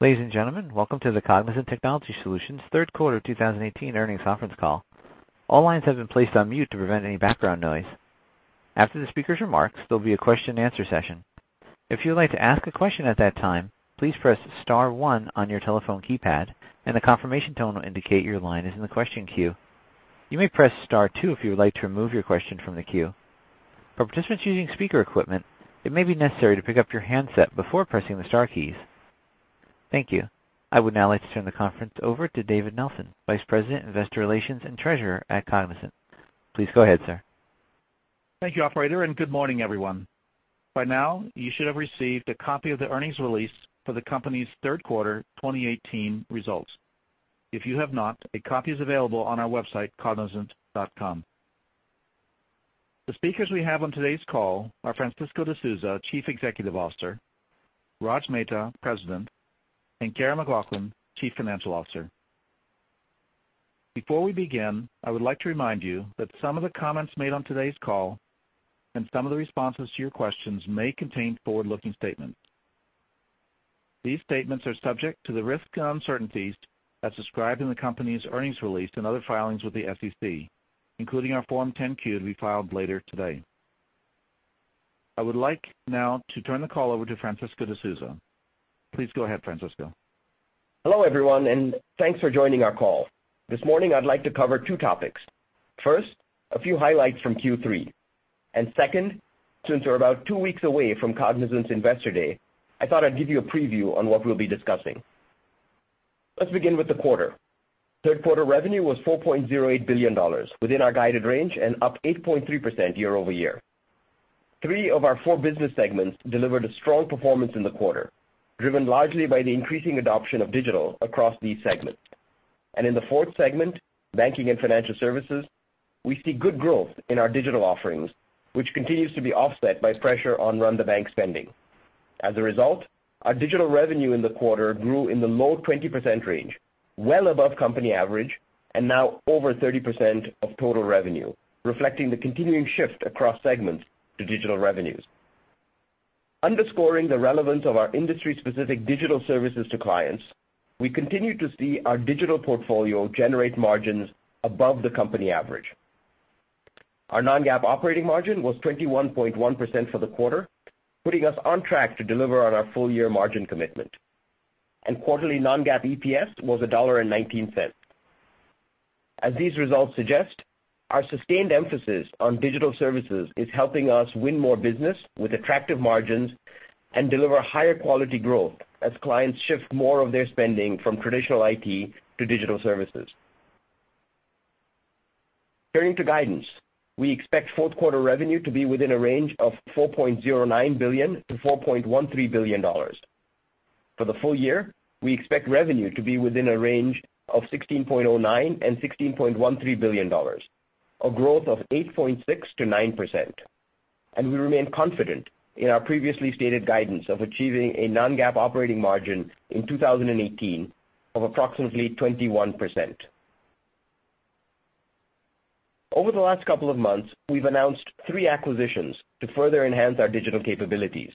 Ladies and gentlemen, welcome to the Cognizant Technology Solutions' third quarter 2018 earnings conference call. All lines have been placed on mute to prevent any background noise. After the speaker's remarks, there'll be a question and answer session. If you would like to ask a question at that time, please press star one on your telephone keypad, and a confirmation tone will indicate your line is in the question queue. You may press star two if you would like to remove your question from the queue. For participants using speaker equipment, it may be necessary to pick up your handset before pressing the star keys. Thank you. I would now like to turn the conference over to David Nelson, Vice President, Investor Relations and Treasurer at Cognizant. Please go ahead, sir. Thank you, operator, and good morning, everyone. By now, you should have received a copy of the earnings release for the company's third quarter 2018 results. If you have not, a copy is available on our website, cognizant.com. The speakers we have on today's call are Francisco D'Souza, Chief Executive Officer, Rajeev Mehta, President, and Karen McLoughlin, Chief Financial Officer. Before we begin, I would like to remind you that some of the comments made on today's call and some of the responses to your questions may contain forward-looking statements. These statements are subject to the risks and uncertainties as described in the company's earnings release and other filings with the SEC, including our Form 10-Q to be filed later today. I would like now to turn the call over to Francisco D'Souza. Please go ahead, Francisco. Hello, everyone, and thanks for joining our call. This morning, I'd like to cover two topics. First, a few highlights from Q3. Second, since we're about two weeks away from Cognizant's Investor Day, I thought I'd give you a preview on what we'll be discussing. Let's begin with the quarter. Third quarter revenue was $4.08 billion, within our guided range and up 8.3% year-over-year. Three of our four business segments delivered a strong performance in the quarter, driven largely by the increasing adoption of digital across these segments. In the fourth segment, banking and financial services, we see good growth in our digital offerings, which continues to be offset by pressure on run-the-bank spending. As a result, our digital revenue in the quarter grew in the low 20% range, well above company average, and now over 30% of total revenue, reflecting the continuing shift across segments to digital revenues. Underscoring the relevance of our industry-specific digital services to clients, we continue to see our digital portfolio generate margins above the company average. Our non-GAAP operating margin was 21.1% for the quarter, putting us on track to deliver on our full-year margin commitment. Quarterly non-GAAP EPS was $1.19. As these results suggest, our sustained emphasis on digital services is helping us win more business with attractive margins and deliver higher quality growth as clients shift more of their spending from traditional IT to digital services. Turning to guidance, we expect fourth quarter revenue to be within a range of $4.09 billion-$4.13 billion. For the full year, we expect revenue to be within a range of $16.09 billion-$16.13 billion, a growth of 8.6%-9%. We remain confident in our previously stated guidance of achieving a non-GAAP operating margin in 2018 of approximately 21%. Over the last couple of months, we've announced three acquisitions to further enhance our digital capabilities.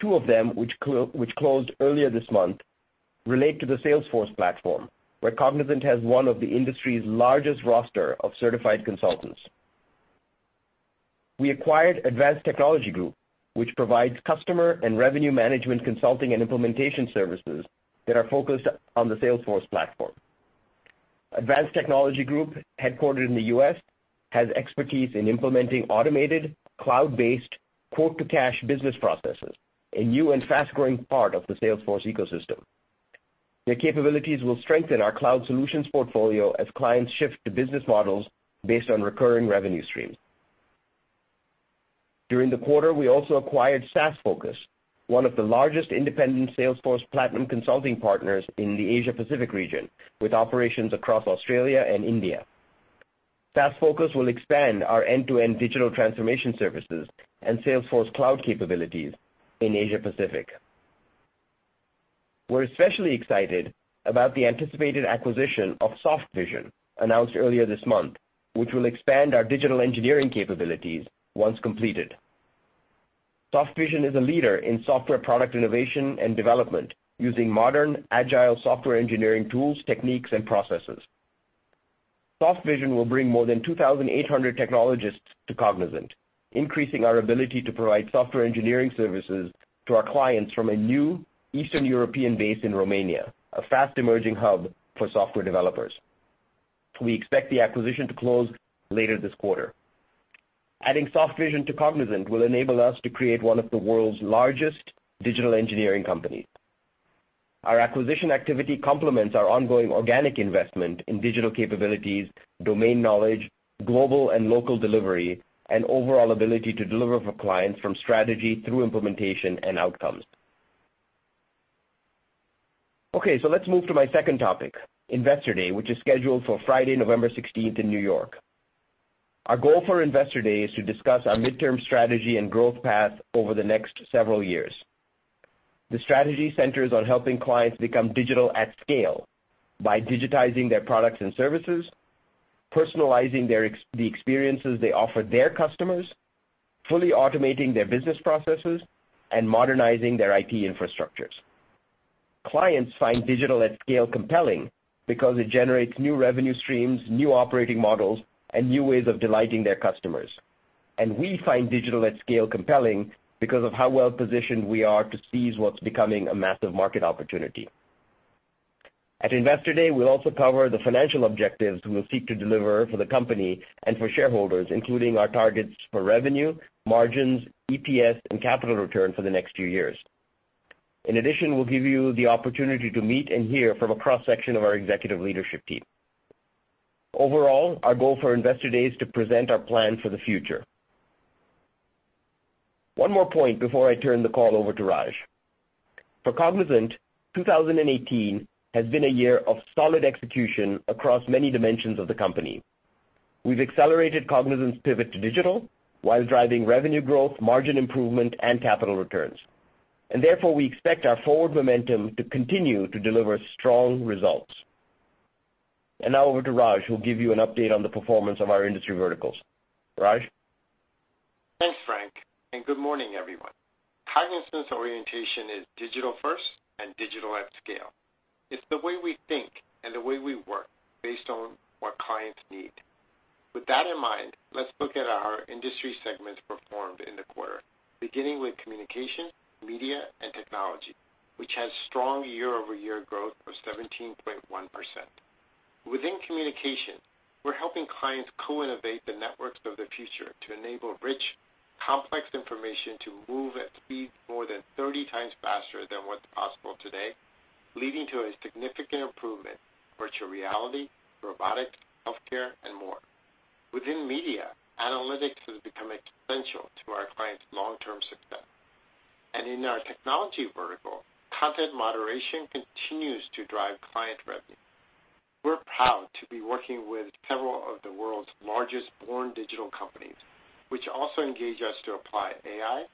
Two of them, which closed earlier this month, relate to the Salesforce platform, where Cognizant has one of the industry's largest roster of certified consultants. We acquired Advanced Technology Group, which provides customer and revenue management consulting and implementation services that are focused on the Salesforce platform. Advanced Technology Group, headquartered in the U.S., has expertise in implementing automated, cloud-based quote-to-cash business processes, a new and fast-growing part of the Salesforce ecosystem. Their capabilities will strengthen our cloud solutions portfolio as clients shift to business models based on recurring revenue streams. During the quarter, we also acquired SaaSfocus, one of the largest independent Salesforce Platinum consulting partners in the Asia-Pacific region, with operations across Australia and India. SaaSfocus will expand our end-to-end digital transformation services and Salesforce cloud capabilities in Asia-Pacific. We're especially excited about the anticipated acquisition of Softvision, announced earlier this month, which will expand our digital engineering capabilities once completed. Softvision is a leader in software product innovation and development using modern, agile software engineering tools, techniques, and processes. Softvision will bring more than 2,800 technologists to Cognizant, increasing our ability to provide software engineering services to our clients from a new Eastern European base in Romania, a fast-emerging hub for software developers. We expect the acquisition to close later this quarter. Adding Softvision to Cognizant will enable us to create one of the world's largest digital engineering companies. Our acquisition activity complements our ongoing organic investment in digital capabilities, domain knowledge, global and local delivery, and overall ability to deliver for clients from strategy through implementation and outcomes. Let's move to my second topic, Investor Day, which is scheduled for Friday, November 16th, in New York. Our goal for Investor Day is to discuss our midterm strategy and growth path over the next several years. The strategy centers on helping clients become digital at scale by digitizing their products and services, personalizing the experiences they offer their customers, fully automating their business processes, and modernizing their IT infrastructures. Clients find digital at scale compelling because it generates new revenue streams, new operating models, and new ways of delighting their customers. We find digital at scale compelling because of how well-positioned we are to seize what's becoming a massive market opportunity. At Investor Day, we'll also cover the financial objectives we will seek to deliver for the company and for shareholders, including our targets for revenue, margins, EPS, and capital return for the next few years. In addition, we'll give you the opportunity to meet and hear from a cross-section of our executive leadership team. Overall, our goal for Investor Day is to present our plan for the future. One more point before I turn the call over to Raj. For Cognizant, 2018 has been a year of solid execution across many dimensions of the company. We've accelerated Cognizant's pivot to digital while driving revenue growth, margin improvement, and capital returns, and therefore, we expect our forward momentum to continue to deliver strong results. Now over to Raj, who will give you an update on the performance of our industry verticals. Raj? Thanks, Frank, and good morning, everyone. Cognizant's orientation is digital first and digital at scale. It's the way we think and the way we work based on what clients need. With that in mind, let's look at how our industry segments performed in the quarter, beginning with communication, media, and technology, which has strong year-over-year growth of 17.1%. Within communication, we're helping clients co-innovate the networks of the future to enable rich, complex information to move at speeds more than 30 times faster than what's possible today, leading to a significant improvement in virtual reality, robotics, healthcare, and more. Within media, analytics has become essential to our clients' long-term success. In our technology vertical, content moderation continues to drive client revenue. We're proud to be working with several of the world's largest born-digital companies, which also engage us to apply AI,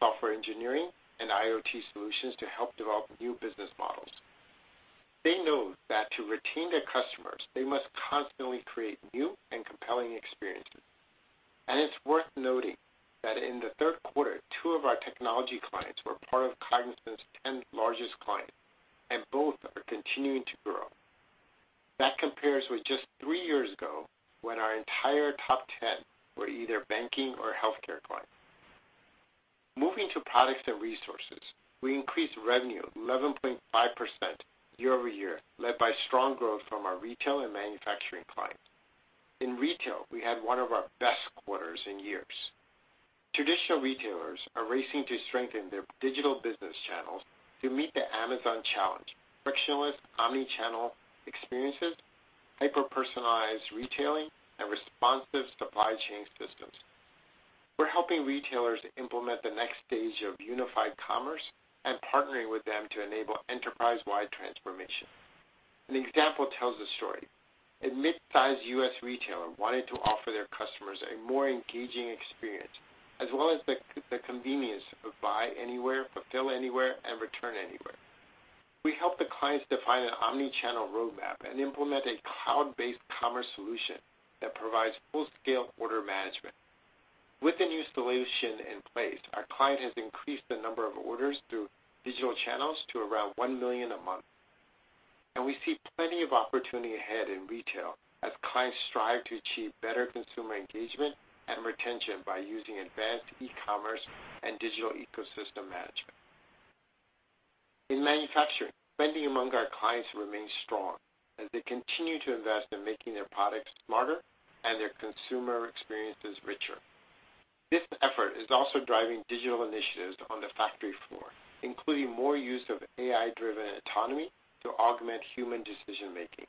software engineering, and IoT solutions to help develop new business models. They know that to retain their customers, they must constantly create new and compelling experiences. It's worth noting that in the third quarter, two of our technology clients were part of Cognizant's 10 largest clients, and both are continuing to grow. That compares with just three years ago, when our entire top 10 were either banking or healthcare clients. Moving to products and resources, we increased revenue 11.5% year-over-year, led by strong growth from our retail and manufacturing clients. In retail, we had one of our best quarters in years. Traditional retailers are racing to strengthen their digital business channels to meet the Amazon challenge, frictionless omnichannel experiences, hyper-personalized retailing, and responsive supply chain systems. We're helping retailers implement the next stage of unified commerce and partnering with them to enable enterprise-wide transformation. An example tells a story. A mid-size U.S. retailer wanted to offer their customers a more engaging experience, as well as the convenience of buy anywhere, fulfill anywhere, and return anywhere. We helped the clients define an omnichannel roadmap and implement a cloud-based commerce solution that provides full-scale order management. With the new solution in place, our client has increased the number of orders through digital channels to around 1 million a month. We see plenty of opportunity ahead in retail as clients strive to achieve better consumer engagement and retention by using advanced e-commerce and digital ecosystem management. In manufacturing, spending among our clients remains strong as they continue to invest in making their products smarter and their consumer experiences richer. This effort is also driving digital initiatives on the factory floor, including more use of AI-driven autonomy to augment human decision-making.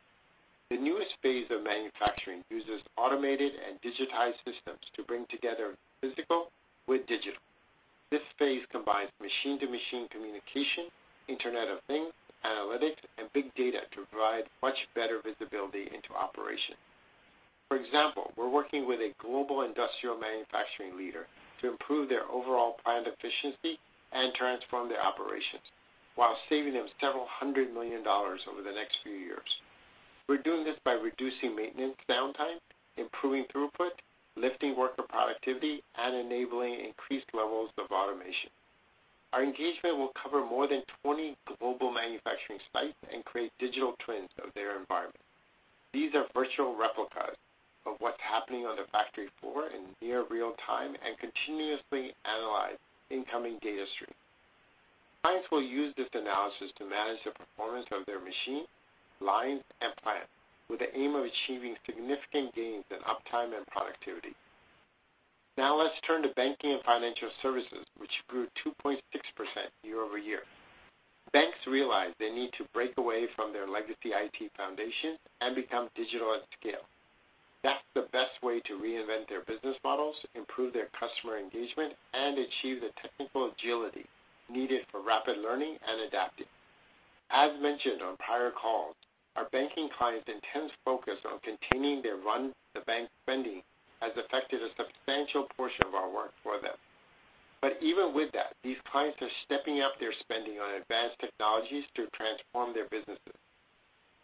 The newest phase of manufacturing uses automated and digitized systems to bring together physical with digital. This phase combines machine-to-machine communication, Internet of Things, analytics, and big data to provide much better visibility into operation. For example, we're working with a global industrial manufacturing leader to improve their overall plant efficiency and transform their operations while saving them several hundred million dollars over the next few years. We're doing this by reducing maintenance downtime, improving throughput, lifting worker productivity, and enabling increased levels of automation. Our engagement will cover more than 20 global manufacturing sites and create digital twins of their environment. These are virtual replicas of what's happening on the factory floor in near real-time and continuously analyze incoming data streams. Clients will use this analysis to manage the performance of their machine, lines, and plant with the aim of achieving significant gains in uptime and productivity. Let's turn to banking and financial services, which grew 2.6% year-over-year. Banks realize they need to break away from their legacy IT foundation and become digital at scale. That's the best way to reinvent their business models, improve their customer engagement, and achieve the technical agility needed for rapid learning and adapting. As mentioned on prior calls, our banking clients' intense focus on continuing their run the bank spending has affected a substantial portion of our work for them. Even with that, these clients are stepping up their spending on advanced technologies to transform their businesses.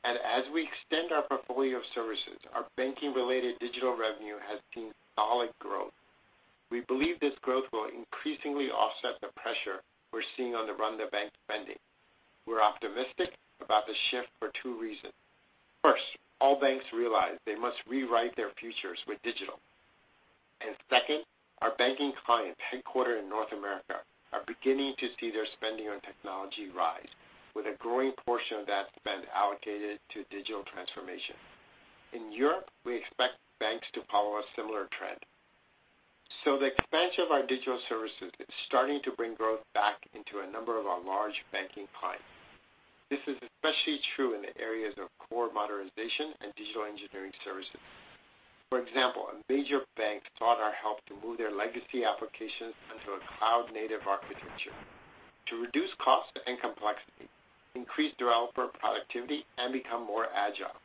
As we extend our portfolio of services, our banking-related digital revenue has seen solid growth. We believe this growth will increasingly offset the pressure we're seeing on the run-the-bank spending. We're optimistic about the shift for two reasons. First, all banks realize they must rewrite their futures with digital. Second, our banking clients headquartered in North America are beginning to see their spending on technology rise, with a growing portion of that spend allocated to digital transformation. In Europe, we expect banks to follow a similar trend. The expansion of our digital services is starting to bring growth back into a number of our large banking clients. This is especially true in the areas of core modernization and digital engineering services. For example, a major bank sought our help to move their legacy applications onto a cloud-native architecture to reduce cost and complexity, increase developer productivity, and become more agile.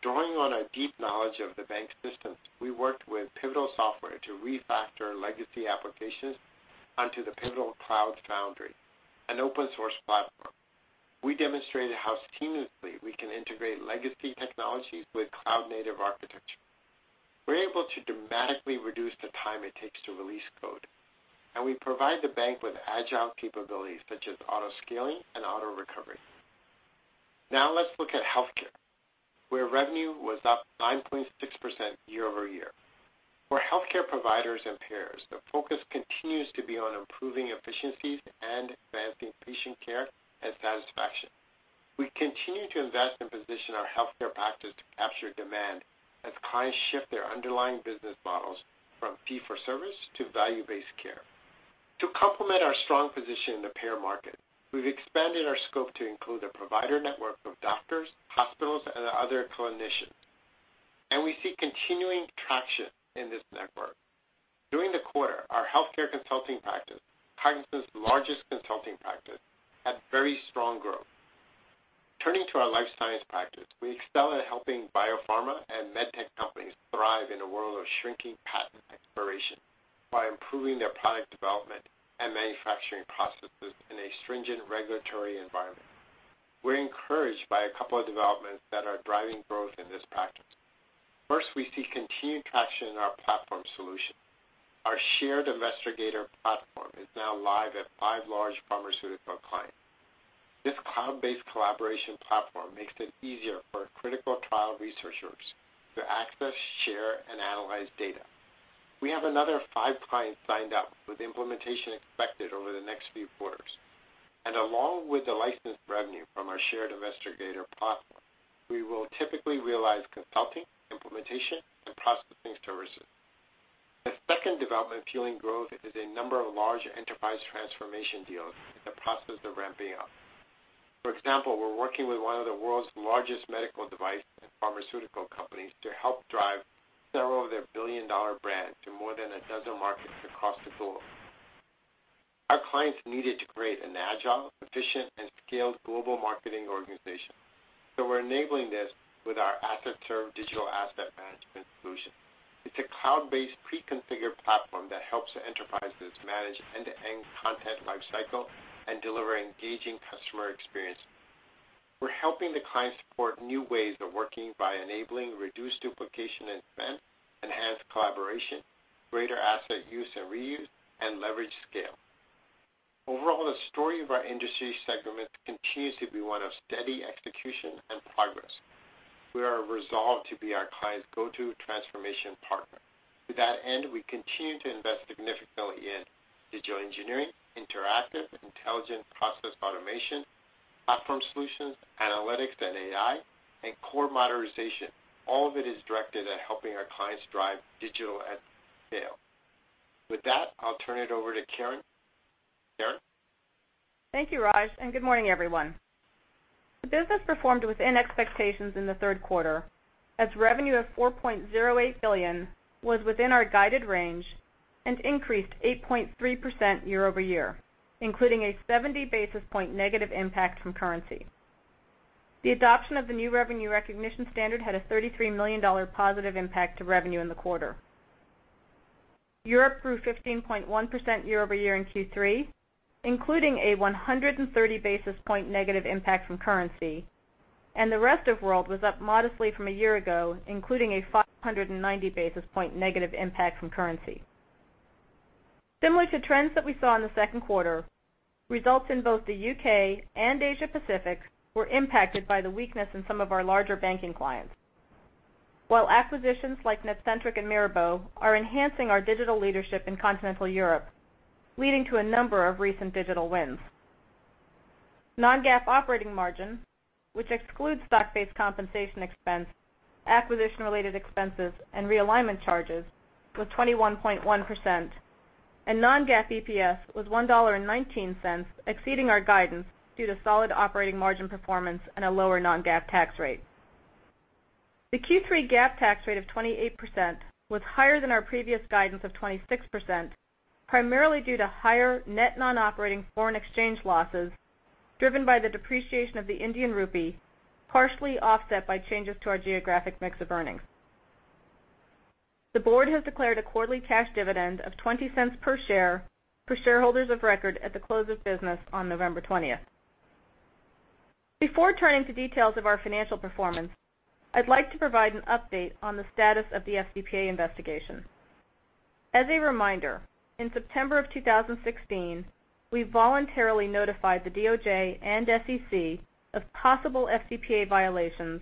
Drawing on our deep knowledge of the bank systems, we worked with Pivotal Software to refactor legacy applications onto the Pivotal Cloud Foundry, an open-source platform. We demonstrated how seamlessly we can integrate legacy technologies with cloud-native architecture. We're able to dramatically reduce the time it takes to release code. We provide the bank with agile capabilities such as auto-scaling and auto-recovery. Let's look at healthcare, where revenue was up 9.6% year-over-year. For healthcare providers and payers, the focus continues to be on improving efficiencies and advancing patient care and satisfaction. We continue to invest and position our healthcare practice to capture demand as clients shift their underlying business models from fee-for-service to value-based care. To complement our strong position in the payer market, we've expanded our scope to include a provider network of doctors, hospitals, and other clinicians. We see continuing traction in this network. During the quarter, our healthcare consulting practice, Cognizant's largest consulting practice, had very strong growth. Turning to our life science practice, we excel at helping biopharma and med tech companies thrive in a world of shrinking patent expiration by improving their product development and manufacturing processes in a stringent regulatory environment. We're encouraged by a couple of developments that are driving growth in this practice. First, we see continued traction in our platform solution. Our Shared Investigator Platform is now live at five large pharmaceutical clients. This cloud-based collaboration platform makes it easier for critical trial researchers to access, share, and analyze data. We have another five clients signed up with implementation expected over the next few quarters. Along with the licensed revenue from our Shared Investigator Platform, we will typically realize consulting, implementation, and processing services. The second development fueling growth is a number of large enterprise transformation deals in the process of ramping up. For example, we're working with one of the world's largest medical device and pharmaceutical companies to help drive several of their billion-dollar brands to more than a dozen markets across the globe. Our clients needed to create an agile, efficient, and scaled global marketing organization, so we're enabling this with our assetSERV digital asset management solution. It's a cloud-based pre-configured platform that helps enterprises manage end-to-end content lifecycle and deliver engaging customer experience. We're helping the client support new ways of working by enabling reduced duplication and spend, enhanced collaboration, greater asset use and reuse, and leverage scale. Overall, the story of our industry segments continues to be one of steady execution and progress. We are resolved to be our clients' go-to transformation partner. To that end, we continue to invest significantly in digital engineering, interactive intelligent process automation, platform solutions, analytics and AI, and core modernization. All of it is directed at helping our clients drive digital at scale. With that, I'll turn it over to Karen. Karen? Thank you, Raj, good morning, everyone. The business performed within expectations in the third quarter as revenue of $4.08 billion was within our guided range and increased 8.3% year-over-year, including a 70 basis point negative impact from currency. The adoption of the new revenue recognition standard had a $33 million positive impact to revenue in the quarter. Europe grew 15.1% year-over-year in Q3, including a 130 basis point negative impact from currency, the rest of world was up modestly from a year ago, including a 590 basis point negative impact from currency. Similar to trends that we saw in the second quarter, results in both the U.K. and Asia Pacific were impacted by the weakness in some of our larger banking clients. While acquisitions like Netcentric and Mirabeau are enhancing our digital leadership in continental Europe, leading to a number of recent digital wins. Non-GAAP operating margin, which excludes stock-based compensation expense, acquisition-related expenses, and realignment charges, was 21.1%, Non-GAAP EPS was $1.19, exceeding our guidance due to solid operating margin performance and a lower Non-GAAP tax rate. The Q3 GAAP tax rate of 28% was higher than our previous guidance of 26%, primarily due to higher net non-operating foreign exchange losses driven by the depreciation of the Indian rupee, partially offset by changes to our geographic mix of earnings. The board has declared a quarterly cash dividend of $0.20 per share for shareholders of record at the close of business on November 20th. Before turning to details of our financial performance, I'd like to provide an update on the status of the FCPA investigation. As a reminder, in September of 2016, we voluntarily notified the DOJ and SEC of possible FCPA violations.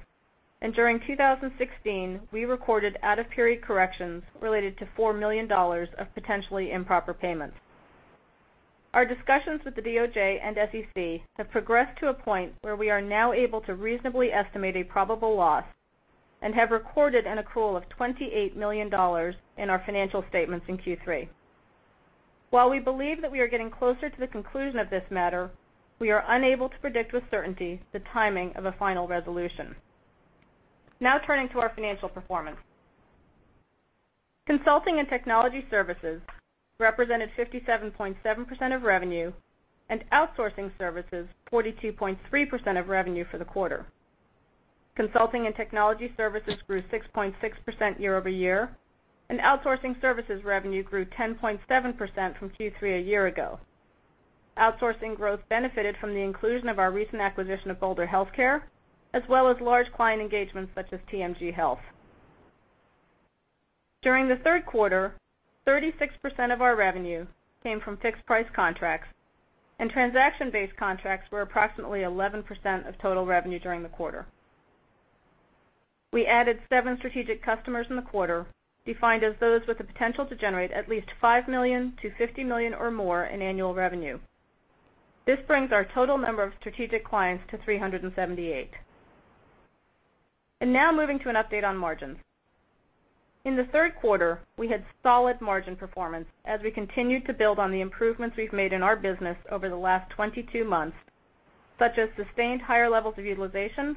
During 2016, we recorded out-of-period corrections related to $4 million of potentially improper payments. Our discussions with the DOJ and SEC have progressed to a point where we are now able to reasonably estimate a probable loss and have recorded an accrual of $28 million in our financial statements in Q3. While we believe that we are getting closer to the conclusion of this matter, we are unable to predict with certainty the timing of a final resolution. Now turning to our financial performance. Consulting and technology services represented 57.7% of revenue and outsourcing services 42.3% of revenue for the quarter. Consulting and technology services grew 6.6% year-over-year. Outsourcing services revenue grew 10.7% from Q3 a year ago. Outsourcing growth benefited from the inclusion of our recent acquisition of Bolder Healthcare Solutions, as well as large client engagements such as TMG Health. During the third quarter, 36% of our revenue came from fixed-price contracts. Transaction-based contracts were approximately 11% of total revenue during the quarter. We added seven strategic customers in the quarter, defined as those with the potential to generate at least $5 million-$50 million or more in annual revenue. This brings our total number of strategic clients to 378. Now moving to an update on margins. In the third quarter, we had solid margin performance as we continued to build on the improvements we've made in our business over the last 22 months, such as sustained higher levels of utilization,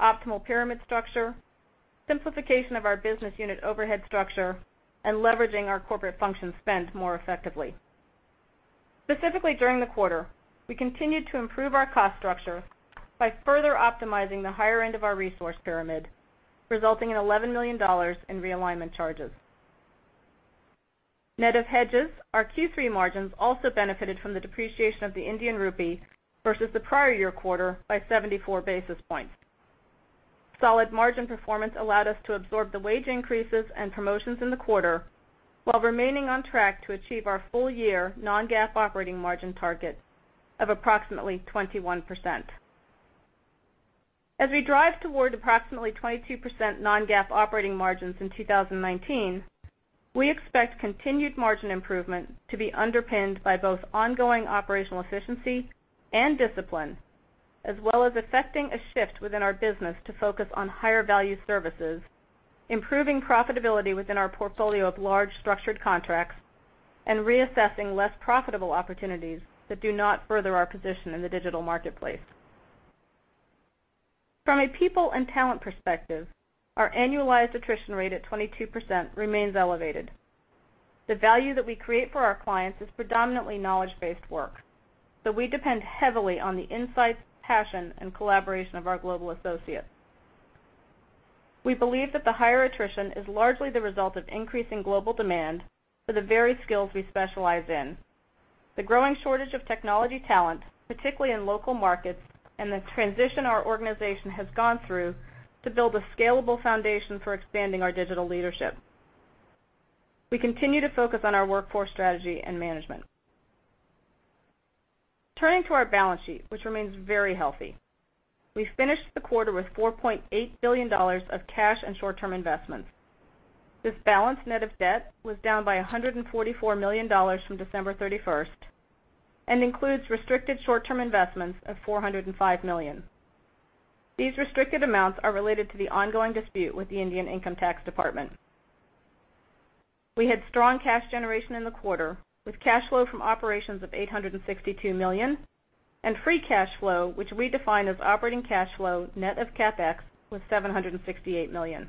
optimal pyramid structure, simplification of our business unit overhead structure, and leveraging our corporate function spend more effectively. Specifically during the quarter, we continued to improve our cost structure by further optimizing the higher end of our resource pyramid, resulting in $11 million in realignment charges. Net of hedges, our Q3 margins also benefited from the depreciation of the Indian rupee versus the prior year quarter by 74 basis points. Solid margin performance allowed us to absorb the wage increases and promotions in the quarter while remaining on track to achieve our full-year non-GAAP operating margin target of approximately 21%. As we drive toward approximately 22% non-GAAP operating margins in 2019, we expect continued margin improvement to be underpinned by both ongoing operational efficiency and discipline, as well as effecting a shift within our business to focus on higher-value services, improving profitability within our portfolio of large structured contracts, and reassessing less profitable opportunities that do not further our position in the digital marketplace. From a people and talent perspective, our annualized attrition rate at 22% remains elevated. The value that we create for our clients is predominantly knowledge-based work. We depend heavily on the insights, passion, and collaboration of our global associates. We believe that the higher attrition is largely the result of increasing global demand for the very skills we specialize in, the growing shortage of technology talent, particularly in local markets, and the transition our organization has gone through to build a scalable foundation for expanding our digital leadership. We continue to focus on our workforce strategy and management. Turning to our balance sheet, which remains very healthy. We finished the quarter with $4.8 billion of cash and short-term investments. This balance net of debt was down by $144 million from December 31st. Includes restricted short-term investments of $405 million. These restricted amounts are related to the ongoing dispute with the Indian Income Tax Department. We had strong cash generation in the quarter, with cash flow from operations of $862 million and free cash flow, which we define as operating cash flow net of CapEx, was $768 million.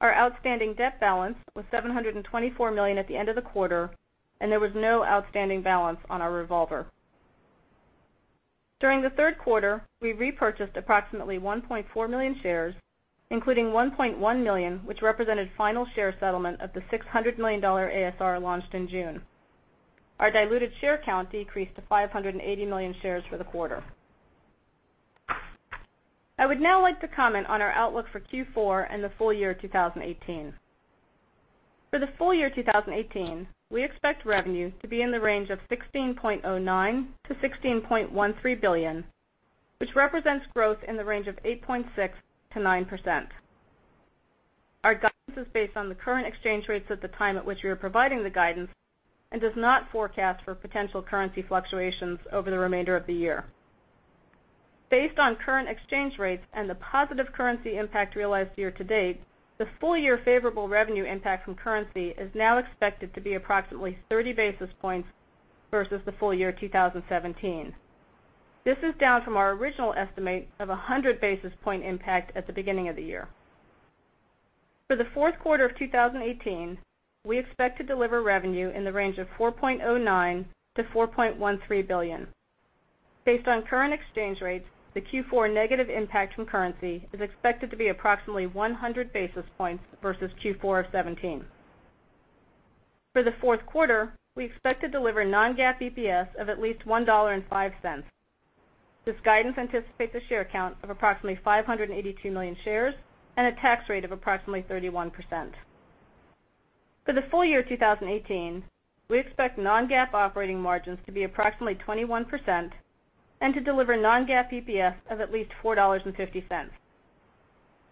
Our outstanding debt balance was $724 million at the end of the quarter, and there was no outstanding balance on our revolver. During the third quarter, we repurchased approximately 1.4 million shares, including 1.1 million which represented final share settlement of the $600 million ASR launched in June. Our diluted share count decreased to 580 million shares for the quarter. I would now like to comment on our outlook for Q4 and the full year 2018. For the full year 2018, we expect revenue to be in the range of $16.09 billion-$16.13 billion, which represents growth in the range of 8.6%-9%. Our guidance is based on the current exchange rates at the time at which we are providing the guidance and does not forecast for potential currency fluctuations over the remainder of the year. Based on current exchange rates and the positive currency impact realized year-to-date, the full-year favorable revenue impact from currency is now expected to be approximately 30 basis points versus the full year 2017. This is down from our original estimate of a 100-basis-point impact at the beginning of the year. For the fourth quarter of 2018, we expect to deliver revenue in the range of $4.09 billion-$4.13 billion. Based on current exchange rates, the Q4 negative impact from currency is expected to be approximately 100 basis points versus Q4 of 2017. For the fourth quarter, we expect to deliver non-GAAP EPS of at least $1.05. This guidance anticipates a share count of approximately 582 million shares and a tax rate of approximately 31%. For the full year 2018, we expect non-GAAP operating margins to be approximately 21% and to deliver non-GAAP EPS of at least $4.50.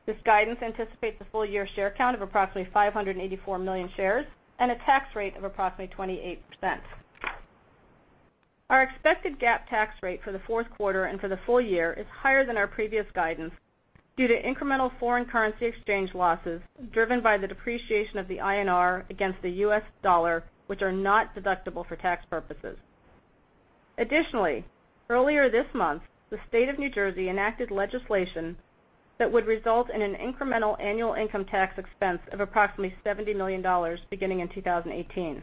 This guidance anticipates a full-year share count of approximately 584 million shares and a tax rate of approximately 28%. Our expected GAAP tax rate for the fourth quarter and for the full year is higher than our previous guidance due to incremental foreign currency exchange losses driven by the depreciation of the INR against the US dollar, which are not deductible for tax purposes. Additionally, earlier this month, the state of New Jersey enacted legislation that would result in an incremental annual income tax expense of approximately $70 million beginning in 2018.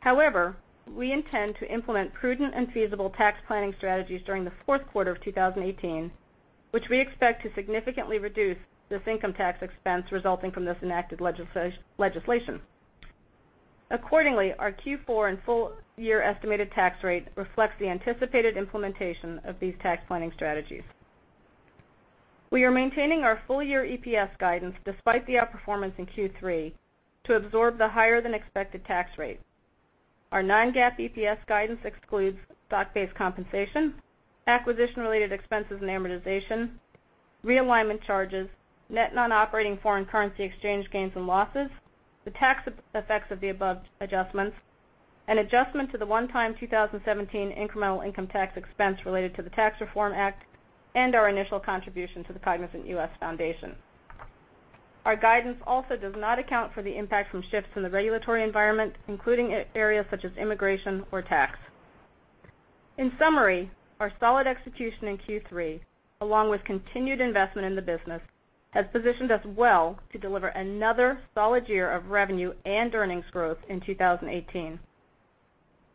However, we intend to implement prudent and feasible tax planning strategies during the fourth quarter of 2018, which we expect to significantly reduce this income tax expense resulting from this enacted legislation. Accordingly, our Q4 and full-year estimated tax rate reflects the anticipated implementation of these tax planning strategies. We are maintaining our full-year EPS guidance despite the outperformance in Q3 to absorb the higher-than-expected tax rate. Our non-GAAP EPS guidance excludes stock-based compensation, acquisition-related expenses and amortization, realignment charges, net non-operating foreign currency exchange gains and losses, the tax effects of the above adjustments, an adjustment to the one-time 2017 incremental income tax expense related to the Tax Reform Act, and our initial contribution to the Cognizant U.S. Foundation. Our guidance also does not account for the impact from shifts in the regulatory environment, including areas such as immigration or tax. In summary, our solid execution in Q3, along with continued investment in the business, has positioned us well to deliver another solid year of revenue and earnings growth in 2018.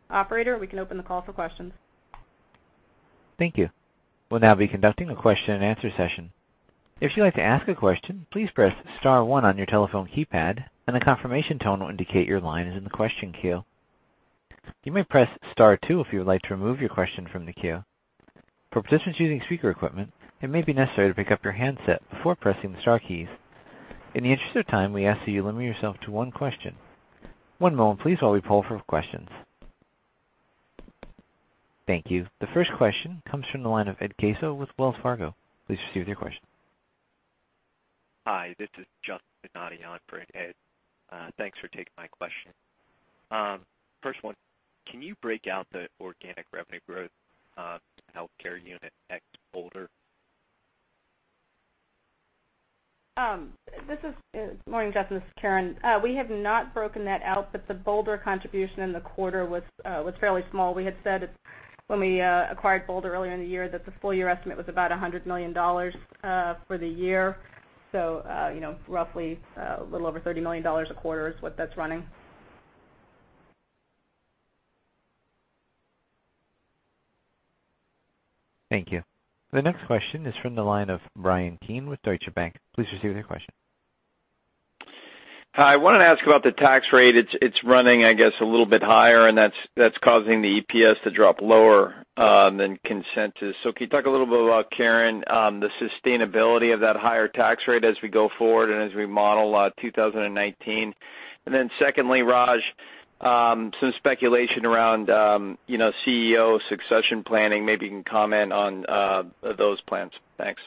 Operator, we can open the call for questions. Thank you. We'll now be conducting a question and answer session. If you'd like to ask a question, please press *1 on your telephone keypad, and a confirmation tone will indicate your line is in the question queue. You may press *2 if you would like to remove your question from the queue. For participants using speaker equipment, it may be necessary to pick up your handset before pressing the star keys. In the interest of time, we ask that you limit yourself to one question. One moment, please, while we poll for questions. Thank you. The first question comes from the line of Ed Caso with Wells Fargo. Please proceed with your question. Hi, this is Justin Nadion for Ed. Thanks for taking my question. First one, can you break out the organic revenue growth healthcare unit ex Bolder? Good morning, Justin, this is Karen. We have not broken that out, but the Bolder contribution in the quarter was fairly small. We had said when we acquired Bolder earlier in the year that the full year estimate was about $100 million for the year. Roughly a little over $30 million a quarter is what that's running. Thank you. The next question is from the line of Bryan Keane with Deutsche Bank. Please proceed with your question. Hi, I wanted to ask about the tax rate. It's running, I guess, a little bit higher, and that's causing the EPS to drop lower than consensus. Can you talk a little bit about, Karen, the sustainability of that higher tax rate as we go forward and as we model 2019? Secondly, Raj, some speculation around CEO succession planning. Maybe you can comment on those plans. Thanks.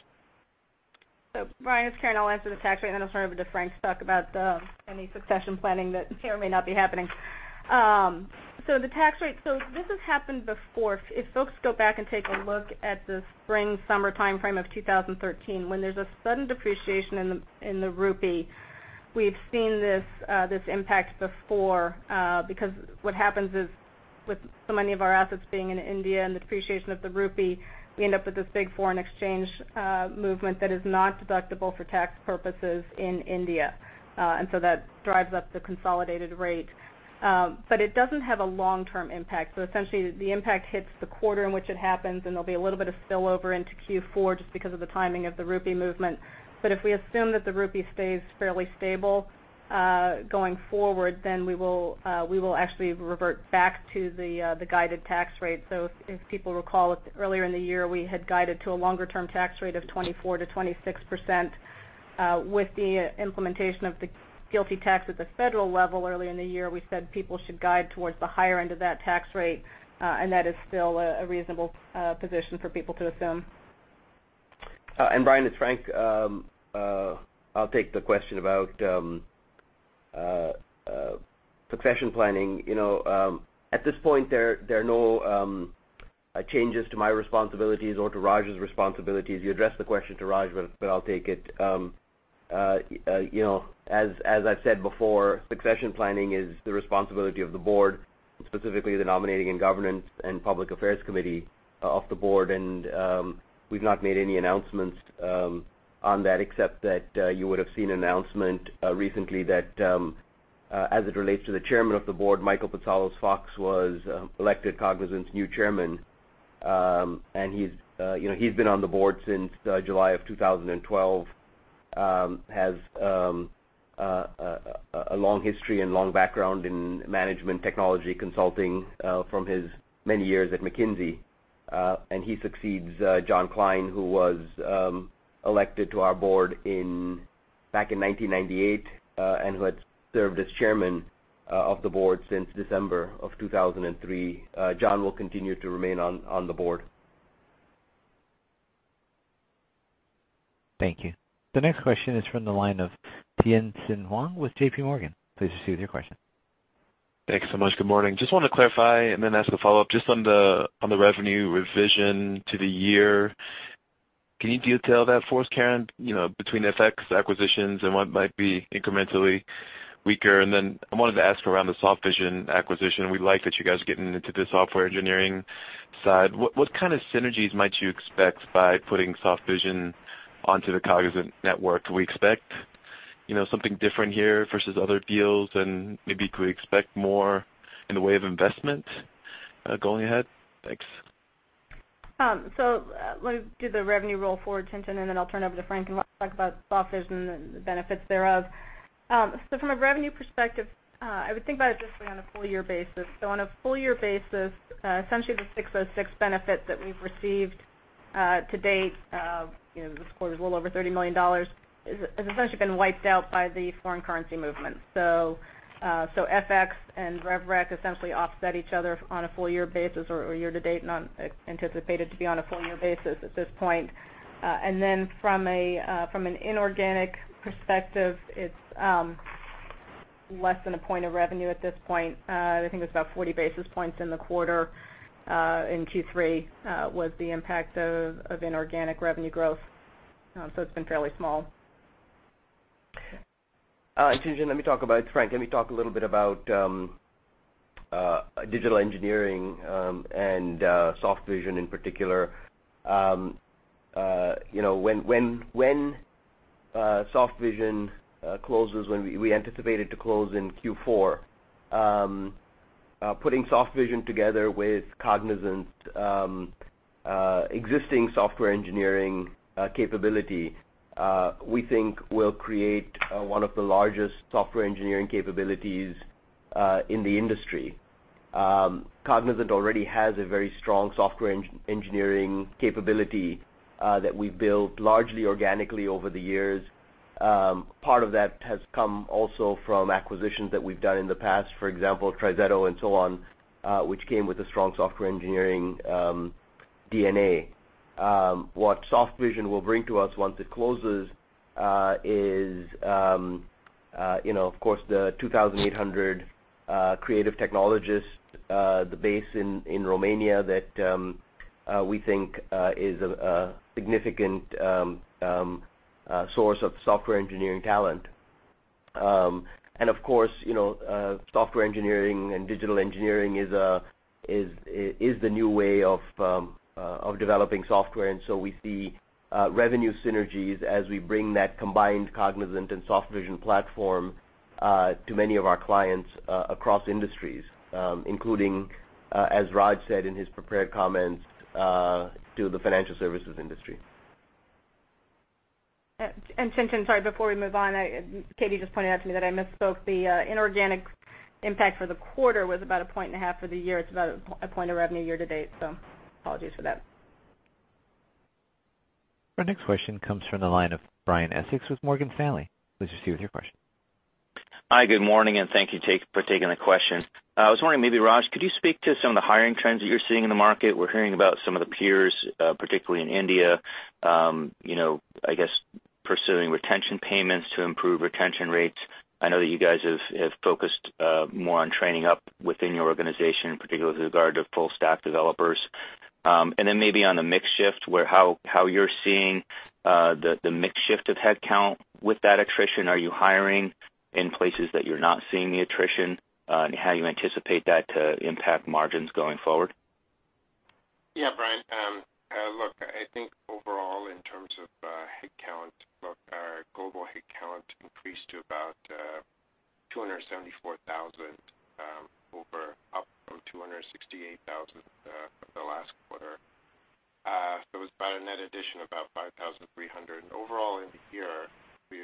Bryan, it's Karen. I'll answer the tax rate, and then I'll turn it over to Frank to talk about any succession planning that may or may not be happening. The tax rate. This has happened before. If folks go back and take a look at the spring, summer timeframe of 2013, when there's a sudden depreciation in the rupee, we've seen this impact before, because what happens is, with so many of our assets being in India and the depreciation of the rupee, we end up with this big foreign exchange movement that is not deductible for tax purposes in India. That drives up the consolidated rate. It doesn't have a long-term impact. Essentially, the impact hits the quarter in which it happens, and there'll be a little bit of spillover into Q4 just because of the timing of the rupee movement. If we assume that the rupee stays fairly stable going forward, then we will actually revert back to the guided tax rate. If people recall, earlier in the year, we had guided to a longer-term tax rate of 24%-26%. With the implementation of the GILTI tax at the federal level earlier in the year, we said people should guide towards the higher end of that tax rate, and that is still a reasonable position for people to assume. Brian, it's Frank. I'll take the question about succession planning. At this point, there are no changes to my responsibilities or to Raj's responsibilities. You addressed the question to Raj, but I'll take it. As I've said before, succession planning is the responsibility of the Board, specifically the Nominating and Governance and Public Affairs Committee of the Board. We've not made any announcements on that. As it relates to the Chairman of the Board, Michael Patsalos-Fox was elected Cognizant's new Chairman, and he's been on the Board since July of 2012, has a long history and long background in management technology consulting from his many years at McKinsey. He succeeds John Klein, who was elected to our Board back in 1998, and who had served as Chairman of the Board since December of 2003. John will continue to remain on the Board. Thank you. The next question is from the line of Tien-Tsin Huang with JP Morgan. Please proceed with your question. Thanks so much. Good morning. Just want to clarify and then ask a follow-up just on the revenue revision to the year. Can you detail that for us, Karen, between FX acquisitions and what might be incrementally weaker? Then I wanted to ask around the Softvision acquisition. We like that you guys are getting into the software engineering side. What kind of synergies might you expect by putting Softvision onto the Cognizant network? Do we expect something different here versus other deals? Maybe could we expect more in the way of investment going ahead? Thanks. Let me do the revenue roll forward, Tien-Tsin, I'll turn it over to Frank, and he'll talk about Softvision and the benefits thereof. From a revenue perspective, I would think about it this way on a full year basis. On a full year basis, essentially the ASC 606 benefit that we've received to date, this quarter is a little over $30 million, has essentially been wiped out by the foreign currency movement. FX and rev REC essentially offset each other on a full year basis or year to date, not anticipated to be on a full year basis at this point. From an inorganic perspective, it's less than a point of revenue at this point. I think it was about 40 basis points in the quarter in Q3 was the impact of inorganic revenue growth. It's been fairly small. Tien-Tsin, let me talk about Frank. Let me talk a little bit about digital engineering, and Softvision in particular. When Softvision closes, we anticipate it to close in Q4. Putting Softvision together with Cognizant's existing software engineering capability, we think will create one of the largest software engineering capabilities in the industry. Cognizant already has a very strong software engineering capability that we've built largely organically over the years. Part of that has come also from acquisitions that we've done in the past, for example, TriZetto and so on, which came with a strong software engineering DNA. What Softvision will bring to us once it closes is, of course, the 2,800 creative technologists, the base in Romania that we think is a significant source of software engineering talent. Of course, software engineering and digital engineering is the new way of developing software. We see revenue synergies as we bring that combined Cognizant and Softvision platform to many of our clients across industries, including, as Raj said in his prepared comments, to the financial services industry. Tien-Tsin, sorry, before we move on, Katie just pointed out to me that I misspoke. The inorganic impact for the quarter was about a point and a half for the year. It's about a point of revenue year to date, so apologies for that. Our next question comes from the line of Brian Essex with Morgan Stanley. Please proceed with your question. Hi, good morning, and thank you for taking the question. I was wondering, maybe Raj, could you speak to some of the hiring trends that you're seeing in the market? We're hearing about some of the peers, particularly in India, I guess pursuing retention payments to improve retention rates. I know that you guys have focused more on training up within your organization, particularly with regard to full stack developers. Maybe on the mix shift, how you're seeing the mix shift of headcount with that attrition. Are you hiring in places that you're not seeing the attrition, and how you anticipate that to impact margins going forward? Yeah, Brian. Look, I think overall, in terms of headcount, look, our global headcount increased to about 274,000 up from 268,000 the last quarter. It was about a net addition about 5,300. Overall in the year, we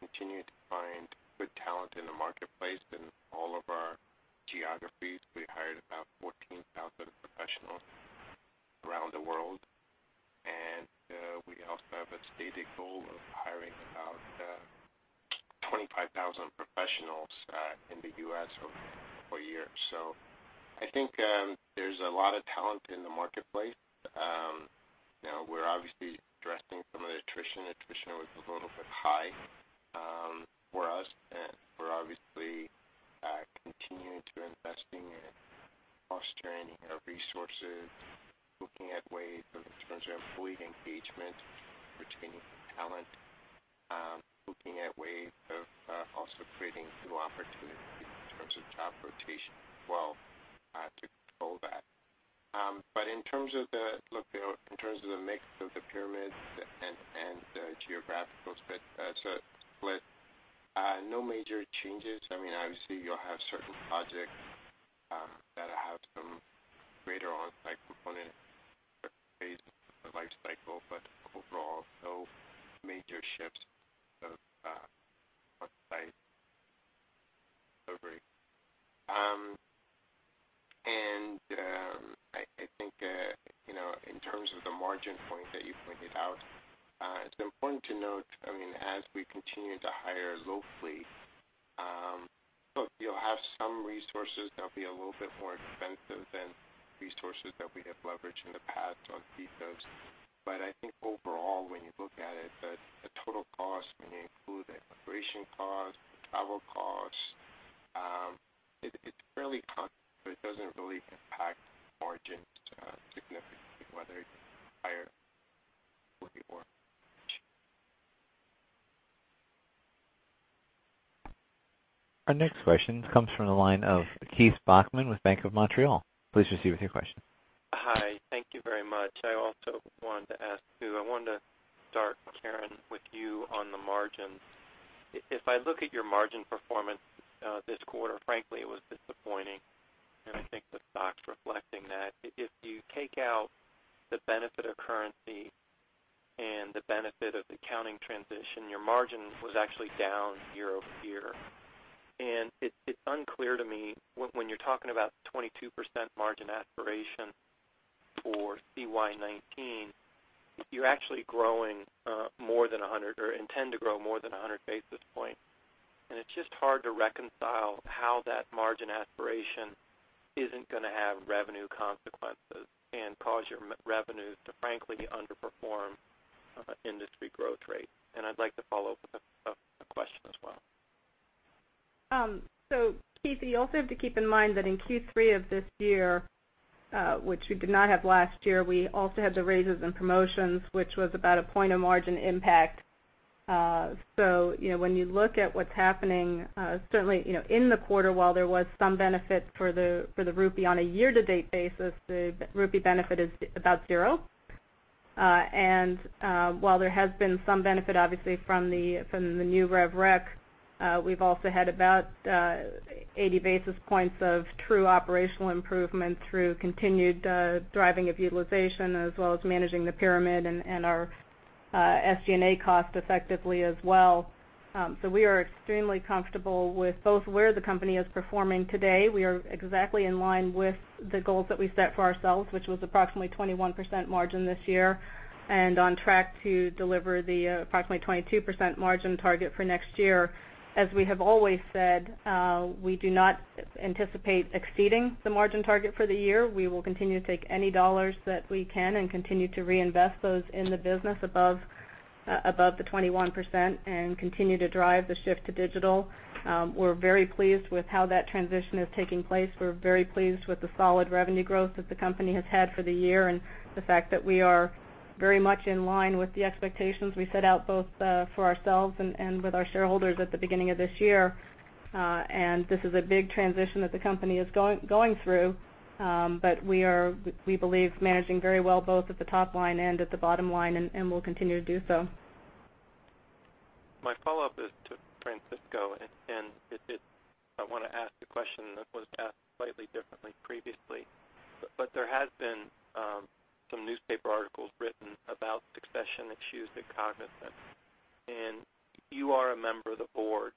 continued to find good talent in the marketplace in all of our geographies. We hired about 14,000 professionals around the world, we also have a stated goal of hiring about 25,000 professionals in the U.S. over the whole year. I think there's a lot of talent in the marketplace. We're obviously addressing some of the attrition. Attrition was a little bit high for us, we're obviously continuing to investing in upskilling our resources, looking at ways of, in terms of employee engagement, retaining talent, looking at ways of also creating new opportunities in terms of job rotation as well. In terms of the mix of the pyramid and the geographical split, no major changes. Obviously, you'll have certain projects that have some greater on-site component phase of the life cycle, but overall, no major shifts of on-site delivery. I think, in terms of the margin point that you pointed out, it's important to note, as we continue to hire locally, look, you'll have some resources that'll be a little bit more expensive than resources that we have leveraged in the past on visas. I think overall, when you look at it, the total cost, when you include the operation cost, the travel cost, it's fairly constant, so it doesn't really impact margin significantly whether it's higher locally. Our next question comes from the line of Keith Bachman with Bank of Montreal. Please proceed with your question. Hi. Thank you very much. I also wanted to ask too, I wanted to start, Karen, with you on the margins. If I look at your margin performance this quarter, frankly, it was disappointing, and I think the stock's reflecting that. If you take out the benefit of currency and the benefit of the accounting transition, your margin was actually down year-over-year. It's unclear to me when you're talking about 22% margin aspiration for CY 2019, you're actually growing more than 100, or intend to grow more than 100 basis point, and it's just hard to reconcile how that margin aspiration isn't going to have revenue consequences and cause your revenue to frankly underperform industry growth rate. I'd like to follow up with a question as well. Keith, you also have to keep in mind that in Q3 of this year, which we did not have last year, we also had the raises and promotions, which was about a point of margin impact. When you look at what's happening, certainly, in the quarter, while there was some benefit for the rupee, on a year-to-date basis, the rupee benefit is about zero. While there has been some benefit, obviously, from the new rev rec, we've also had about 80 basis points of true operational improvement through continued driving of utilization as well as managing the pyramid and our SG&A cost effectively as well. We are extremely comfortable with both where the company is performing today. We are exactly in line with the goals that we set for ourselves, which was approximately 21% margin this year, and on track to deliver the approximately 22% margin target for next year. As we have always said, we do not anticipate exceeding the margin target for the year. We will continue to take any $ that we can and continue to reinvest those in the business above the 21% and continue to drive the shift to digital. We're very pleased with how that transition is taking place. We're very pleased with the solid revenue growth that the company has had for the year and the fact that we are very much in line with the expectations we set out both for ourselves and with our shareholders at the beginning of this year. This is a big transition that the company is going through, but we believe managing very well both at the top line and at the bottom line, and will continue to do so. My follow-up is to Francisco, and I want to ask a question that was asked slightly differently previously. There has been some newspaper articles written about succession issues at Cognizant, and you are a member of the board.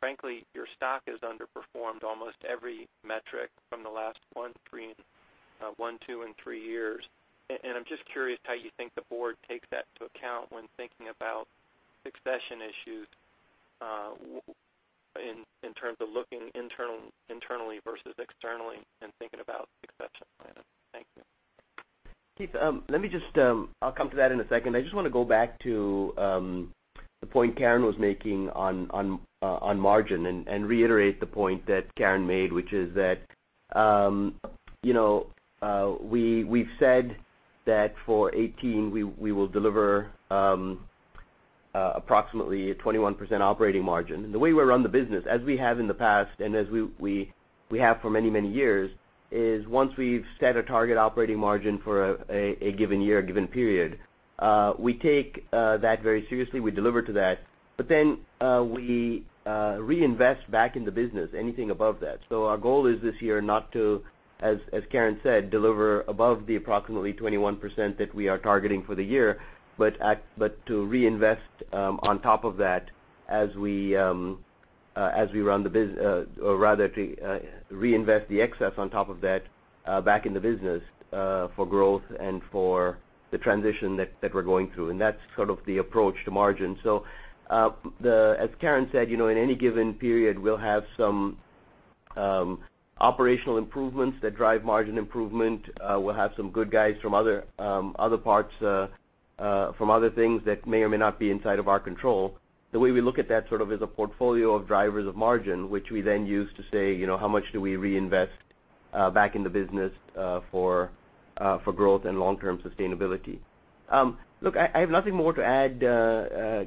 Frankly, your stock has underperformed almost every metric from the last one, two, and three years. I'm just curious how you think the board takes that into account when thinking about succession issues, in terms of looking internally versus externally and thinking about succession planning. Thank you. Keith, I'll come to that in a second. I just want to go back to the point Karen was making on margin and reiterate the point that Karen made, which is that we've said that for 2018, we will deliver approximately a 21% operating margin. The way we run the business, as we have in the past and as we have for many years, is once we've set a target operating margin for a given year, a given period, we take that very seriously. We deliver to that. We reinvest back in the business anything above that. Our goal is this year not to, as Karen said, deliver above the approximately 21% that we are targeting for the year, but to reinvest the excess on top of that back in the business for growth and for the transition that we're going through. That's sort of the approach to margin. As Karen said, in any given period, we'll have some operational improvements that drive margin improvement. We'll have some good guys from other things that may or may not be inside of our control. The way we look at that sort of as a portfolio of drivers of margin, which we then use to say, "How much do we reinvest back in the business for growth and long-term sustainability?" Look, I have nothing more to add,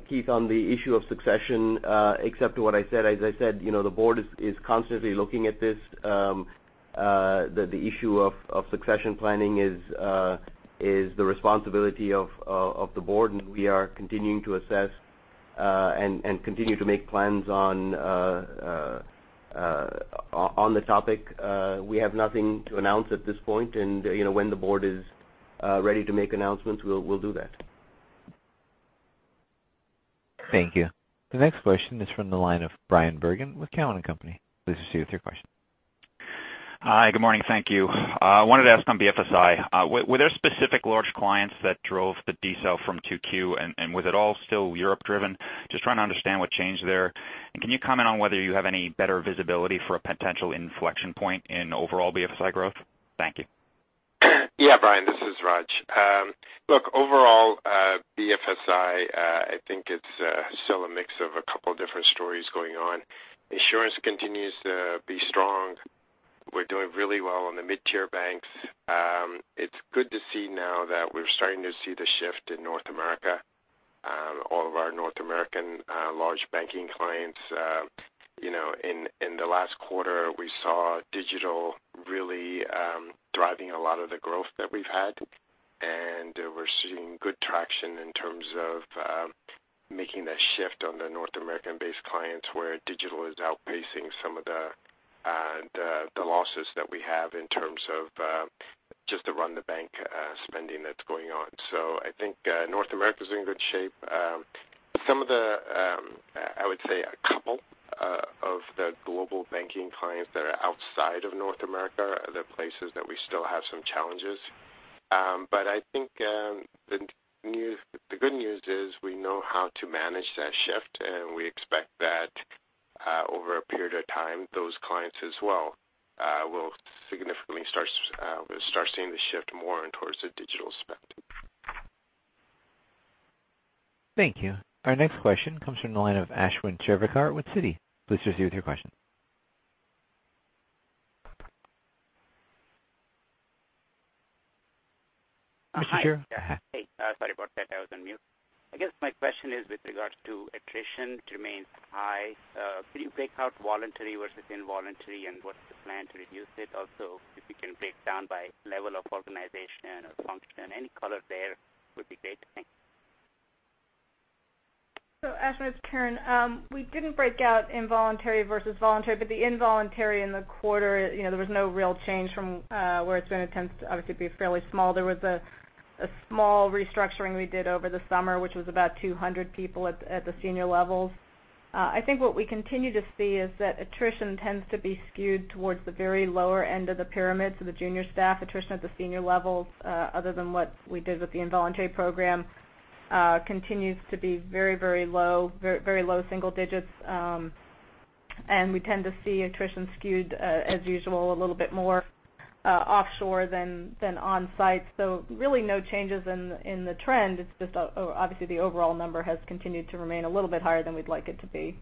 Keith, on the issue of succession except to what I said. I said, the board is constantly looking at this. The issue of succession planning is the responsibility of the board, we are continuing to assess and continue to make plans on the topic. We have nothing to announce at this point, when the board is ready to make announcements, we'll do that. Thank you. The next question is from the line of Bryan Bergin with Cowen and Company. Please proceed with your question. Hi, good morning. Thank you. I wanted to ask on BFSI. Were there specific large clients that drove the decel from 2Q, was it all still Europe-driven? Just trying to understand what changed there. Can you comment on whether you have any better visibility for a potential inflection point in overall BFSI growth? Thank you. Yeah, Brian, this is Raj. Look, overall, BFSI, I think it's still a mix of a couple different stories going on. Insurance continues to be strong. We're doing really well in the mid-tier banks. It's good to see now that we're starting to see the shift in North America. All of our North American large banking clients. In the last quarter, we saw digital really driving a lot of the growth that we've had, and we're seeing good traction in terms of making that shift on the North American-based clients, where digital is outpacing some of the losses that we have in terms of just the run-the-bank spending that's going on. I think North America's in good shape. Some of the, I would say, a couple of the global banking clients that are outside of North America are the places that we still have some challenges. I think the good news is we know how to manage that shift, and we expect that, over a period of time, those clients as well will significantly start seeing the shift more towards the digital spend. Thank you. Our next question comes from the line of Ashwin Shirvaikar with Citi. Please proceed with your question. Mr. Shirvaikar? Hi. Hey, sorry about that. I was on mute. I guess my question is with regards to attrition, which remains high. Could you break out voluntary versus involuntary, and what is the plan to reduce it? Also, if you can break down by level of organization or function, any color there would be great. Thanks. Ashwin, it's Karen. We didn't break out involuntary versus voluntary, but the involuntary in the quarter, there was no real change from where it's been. It tends, obviously, to be fairly small. There was a small restructuring we did over the summer, which was about 200 people at the senior levels. I think what we continue to see is that attrition tends to be skewed towards the very lower end of the pyramid, so the junior staff attrition at the senior levels, other than what we did with the involuntary program, continues to be very low single digits. We tend to see attrition skewed, as usual, a little bit more offshore than on-site. Really no changes in the trend. It's just obviously the overall number has continued to remain a little bit higher than we'd like it to be.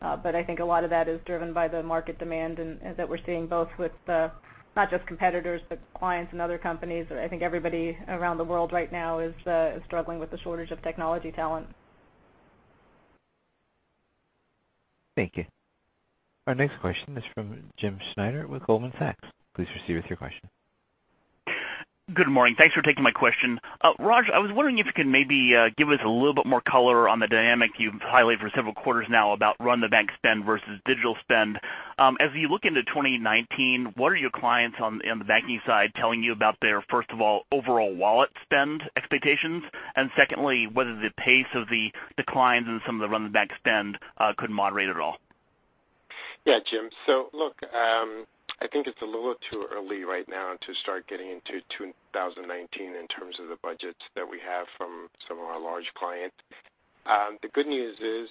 I think a lot of that is driven by the market demand that we're seeing both with the, not just competitors, but clients and other companies. I think everybody around the world right now is struggling with the shortage of technology talent. Thank you. Our next question is from James Schneider with Goldman Sachs. Please proceed with your question. Good morning. Thanks for taking my question. Raj, I was wondering if you could maybe give us a little bit more color on the dynamic you've highlighted for several quarters now about run-the-bank spend versus digital spend. As you look into 2019, what are your clients on the banking side telling you about their, first of all, overall wallet spend expectations? Secondly, whether the pace of the declines in some of the run-the-bank spend could moderate at all? Jim. Look, I think it's a little too early right now to start getting into 2019 in terms of the budgets that we have from some of our large clients. The good news is,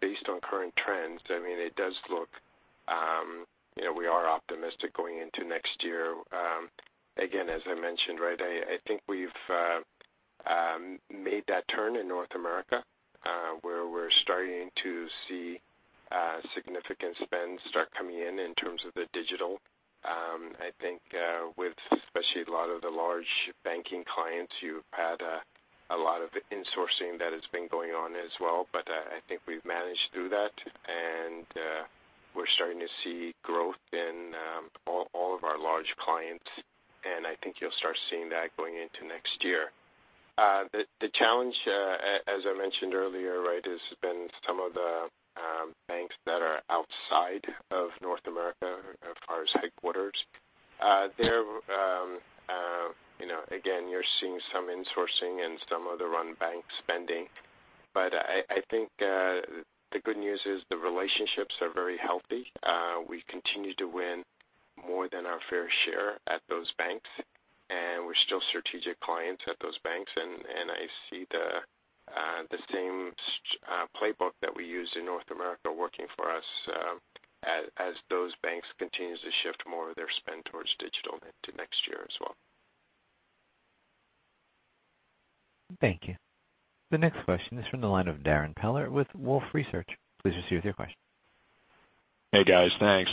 based on current trends, we are optimistic going into next year. Again, as I mentioned, I think we've made that turn in North America, where we're starting to see significant spend start coming in terms of the digital. I think with especially a lot of the large banking clients, you've had a lot of insourcing that has been going on as well. I think we've managed through that, and we're starting to see growth in all of our large clients, and I think you'll start seeing that going into next year. The challenge, as I mentioned earlier, has been some of the banks that are outside of North America, as far as headquarters. Again, you're seeing some insourcing and some of the run-bank spending. I think the good news is the relationships are very healthy. We continue to win more than our fair share at those banks, and we're still strategic clients at those banks. I see the same playbook that we used in North America working for us as those banks continue to shift more of their spend towards digital into next year as well. Thank you. The next question is from the line of Darrin Peller with Wolfe Research. Please proceed with your question. Guys. Thanks.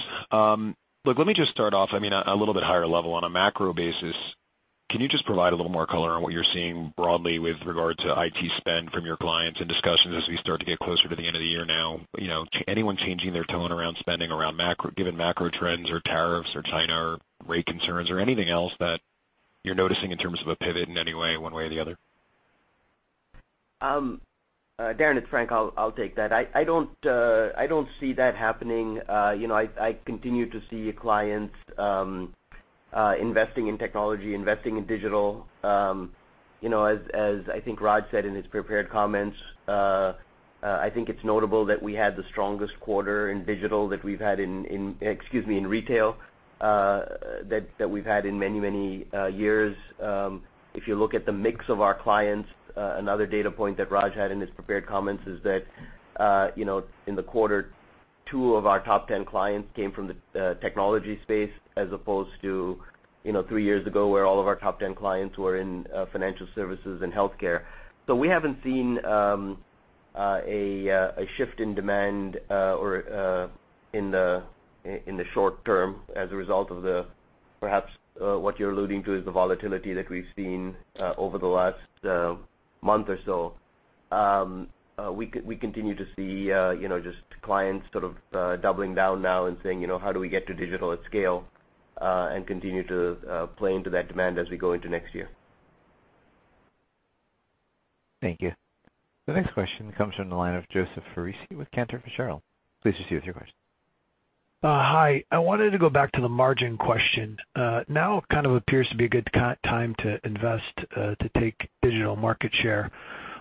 Look, let me just start off, a little bit higher level. On a macro basis, can you just provide a little more color on what you're seeing broadly with regard to IT spend from your clients, and discussions as we start to get closer to the end of the year now. Anyone changing their tone around spending, around given macro trends or tariffs or China or rate concerns or anything else that you're noticing in terms of a pivot in any way, one way or the other? Darrin, it's Frank. I'll take that. I don't see that happening. I continue to see clients investing in technology, investing in digital. As I think Raj said in his prepared comments, I think it's notable that we had the strongest quarter in retail that we've had in many, many years. If you look at the mix of our clients, another data point that Raj had in his prepared comments is that, in the quarter, 2 of our top 10 clients came from the technology space as opposed to 3 years ago, where all of our top 10 clients were in financial services and healthcare. We haven't seen a shift in demand or in the short term as a result of the, perhaps, what you're alluding to is the volatility that we've seen over the last month or so. We continue to see just clients sort of doubling down now and saying, "How do we get to digital at scale?" Continue to play into that demand as we go into next year. Thank you. The next question comes from the line of Joseph Foresi with Cantor Fitzgerald. Please proceed with your question. Hi. I wanted to go back to the margin question. It kind of appears to be a good time to invest to take digital market share.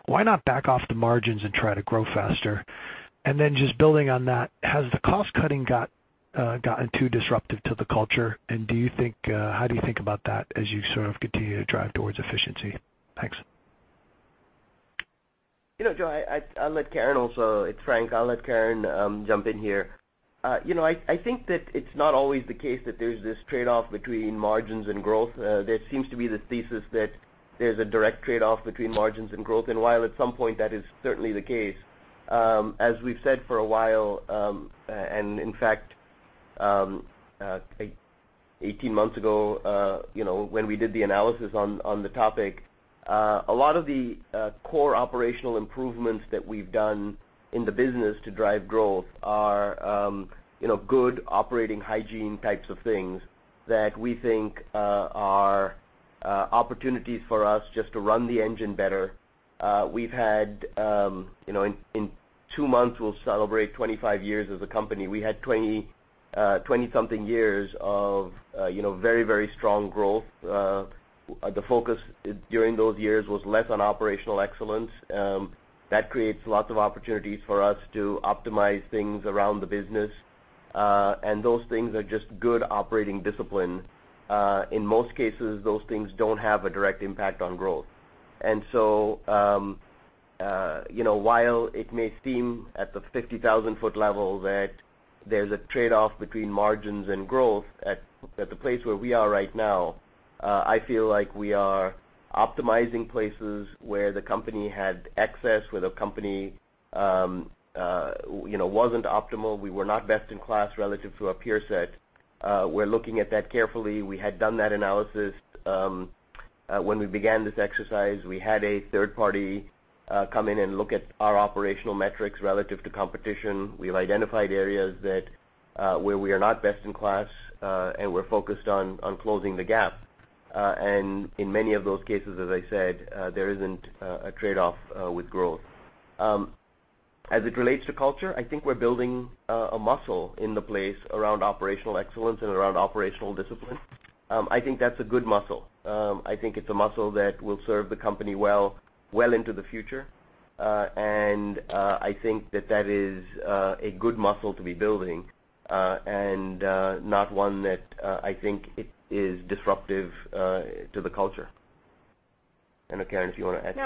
Why not back off the margins and try to grow faster? Just building on that. Has the cost cutting gotten too disruptive to the culture? How do you think about that as you sort of continue to drive towards efficiency? Thanks. Joe, it's Frank. I'll let Karen jump in here. I think that it's not always the case that there's this trade-off between margins and growth. There seems to be this thesis that there's a direct trade-off between margins and growth. While at some point that is certainly the case, as we've said for a while, in fact, 18 months ago, when we did the analysis on the topic, a lot of the core operational improvements that we've done in the business to drive growth are good operating hygiene types of things that we think are opportunities for us just to run the engine better. In two months, we'll celebrate 25 years as a company. We had 20-something years of very strong growth. The focus during those years was less on operational excellence. That creates lots of opportunities for us to optimize things around the business. Those things are just good operating discipline. In most cases, those things don't have a direct impact on growth. While it may seem at the 50,000-foot level that there's a trade-off between margins and growth, at the place where we are right now, I feel like we are optimizing places where the company had excess, where the company wasn't optimal. We were not best in class relative to our peer set. We're looking at that carefully. We had done that analysis. When we began this exercise, we had a third party come in and look at our operational metrics relative to competition. We've identified areas where we are not best in class, and we're focused on closing the gap. In many of those cases, as I said, there isn't a trade-off with growth. As it relates to culture, I think we're building a muscle in the place around operational excellence and around operational discipline. I think that's a good muscle. I think it's a muscle that will serve the company well into the future. I think that that is a good muscle to be building, and not one that I think is disruptive to the culture. Karen, if you want to add to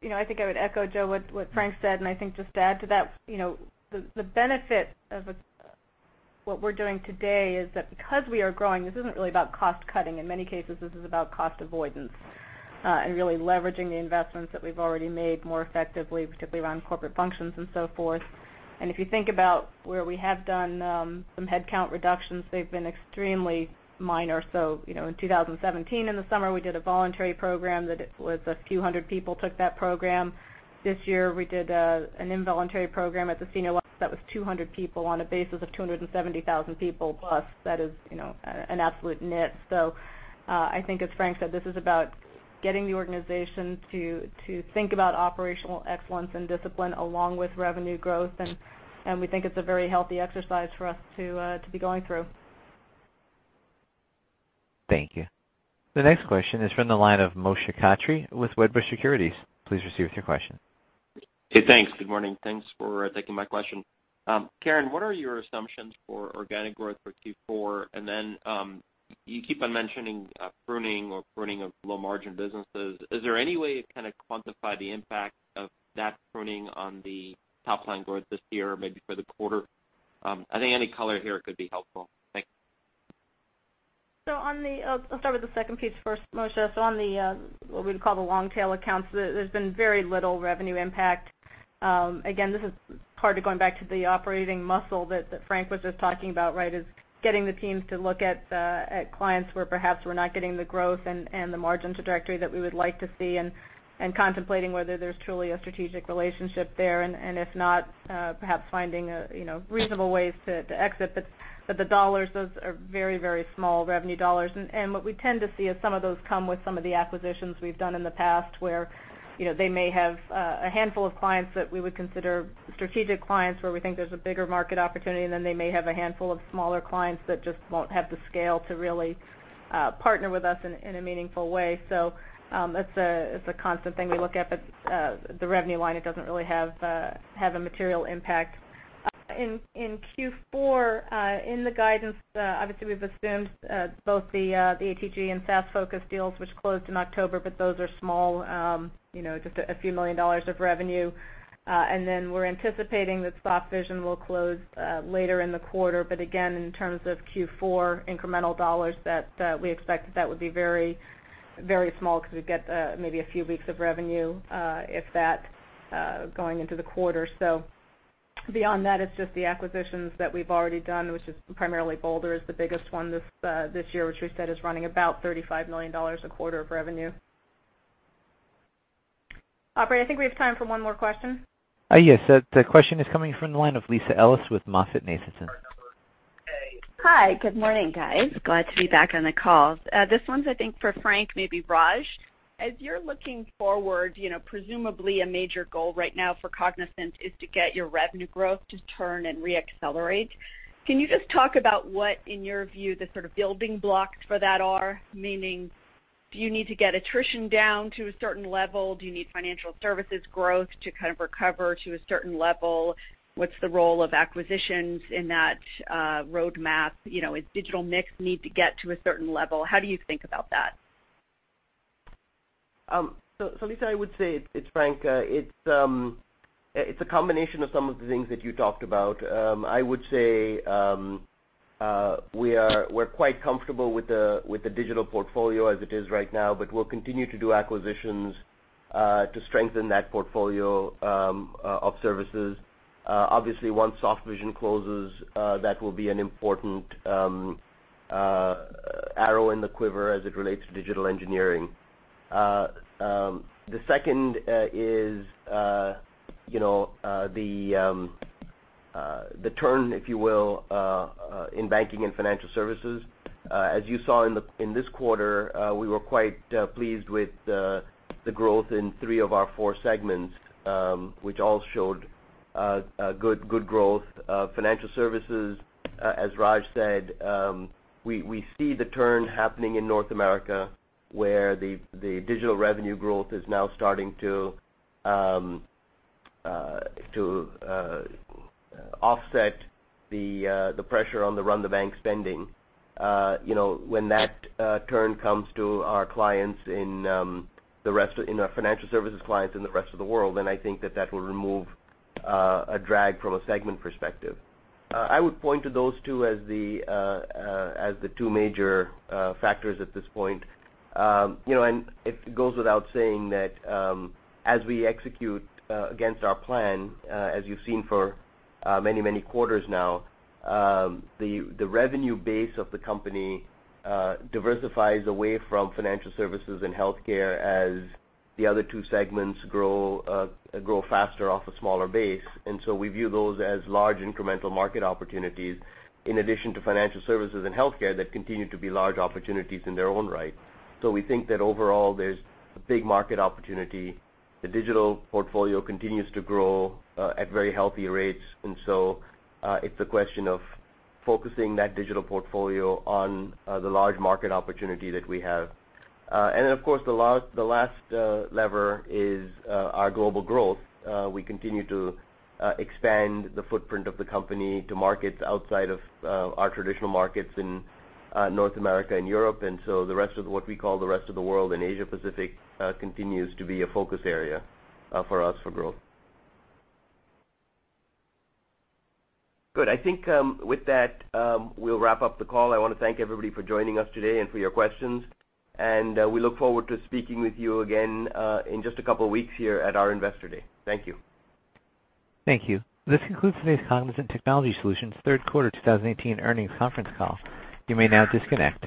that. I think I would echo, Joe, what Frank said. I think just add to that. The benefit of what we're doing today is that because we are growing, this isn't really about cost cutting. In many cases, this is about cost avoidance, and really leveraging the investments that we've already made more effectively, particularly around corporate functions and so forth. If you think about where we have done some headcount reductions, they've been extremely minor. In 2017, in the summer, we did a voluntary program that was a few hundred people took that program. This year, we did an involuntary program at the senior level that was 200 people on a basis of 270,000 people plus. That is an absolute nit. I think, as Frank said, this is about getting the organization to think about operational excellence and discipline along with revenue growth, and we think it's a very healthy exercise for us to be going through. Thank you. The next question is from the line of Moshe Katri with Wedbush Securities. Please proceed with your question. Hey, thanks. Good morning. Thanks for taking my question. Karen, what are your assumptions for organic growth for Q4? You keep on mentioning pruning of low-margin businesses. Is there any way you can kind of quantify the impact of that pruning on the top-line growth this year or maybe for the quarter? I think any color here could be helpful. Thanks. I'll start with the second piece first, Moshe. On what we would call the long-tail accounts, there's been very little revenue impact. Again, this is partly going back to the operating muscle that Frank was just talking about, right, is getting the teams to look at clients where perhaps we're not getting the growth and the margin trajectory that we would like to see, and contemplating whether there's truly a strategic relationship there, and if not, perhaps finding reasonable ways to exit. The dollars, those are very small revenue dollars. What we tend to see is some of those come with some of the acquisitions we've done in the past, where they may have a handful of clients that we would consider strategic clients, where we think there's a bigger market opportunity, and then they may have a handful of smaller clients that just won't have the scale to really partner with us in a meaningful way. It's a constant thing we look at, the revenue line, it doesn't really have a material impact. In Q4, in the guidance, obviously we've assumed both the ATG and SaaSfocus deals which closed in October, those are small, just a few million dollars of revenue. We're anticipating that Softvision will close later in the quarter. Again, in terms of Q4 incremental dollars that we expect, that would be very small because we get maybe a few weeks of revenue, if that, going into the quarter. Beyond that, it's just the acquisitions that we've already done, which is primarily Bolder is the biggest one this year, which we said is running about $35 million a quarter of revenue. Operator, I think we have time for one more question. Yes. The question is coming from the line of Lisa Ellis with MoffettNathanson. Hi. Good morning, guys. Glad to be back on the call. This one's, I think, for Frank, maybe Raj. As you're looking forward, presumably a major goal right now for Cognizant is to get your revenue growth to turn and re-accelerate. Can you just talk about what, in your view, the sort of building blocks for that are? Meaning, do you need to get attrition down to a certain level? Do you need financial services growth to kind of recover to a certain level? What's the role of acquisitions in that roadmap? Does digital mix need to get to a certain level? How do you think about that? Lisa, it's Frank. It's a combination of some of the things that you talked about. I would say, we're quite comfortable with the digital portfolio as it is right now, but we'll continue to do acquisitions to strengthen that portfolio of services. Obviously, once Softvision closes, that will be an important arrow in the quiver as it relates to digital engineering. The second is the turn, if you will, in banking and financial services. As you saw in this quarter, we were quite pleased with the growth in three of our four segments, which all showed good growth. Financial services, as Raj said, we see the turn happening in North America, where the digital revenue growth is now starting to offset the pressure on the run the bank spending. When that turn comes to our financial services clients in the rest of the world, I think that that will remove a drag from a segment perspective. I would point to those two as the two major factors at this point. It goes without saying that as we execute against our plan, as you've seen for many quarters now, the revenue base of the company diversifies away from financial services and healthcare as the other two segments grow faster off a smaller base. We view those as large incremental market opportunities, in addition to financial services and healthcare, that continue to be large opportunities in their own right. We think that overall there's a big market opportunity. The digital portfolio continues to grow at very healthy rates, it's a question of focusing that digital portfolio on the large market opportunity that we have. The last lever is our global growth. We continue to expand the footprint of the company to markets outside of our traditional markets in North America and Europe. What we call the rest of the world and Asia Pacific continues to be a focus area for us for growth. Good. I think with that, we'll wrap up the call. I want to thank everybody for joining us today and for your questions, and we look forward to speaking with you again in just a couple of weeks here at our Investor Day. Thank you. Thank you. This concludes today's Cognizant Technology Solutions third quarter 2018 earnings conference call. You may now disconnect.